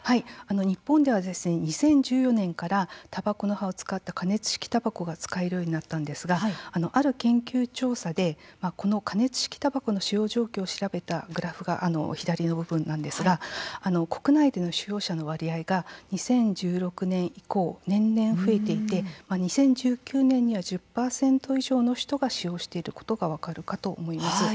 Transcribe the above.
日本では２０１４年からたばこの葉を使った加熱式たばこが使えるようになったんですが、ある研究調査でこの加熱式たばこの使用状況を調べたグラフが左の部分なんですが国内での使用者の割合が２０１６年以降、年々増えていて２０１９年には１０％以上の人が使用していることが分かるかと思います。